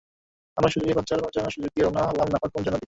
আমরা সূর্যকে লজ্জা কাটানোর সুযোগ দিয়ে রওনা হলাম নাফাখুম ঝরনার দিকে।